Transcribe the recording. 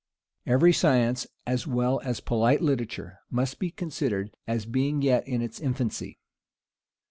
Every science, as well as polite literature, must be considered as being yet in its infancy.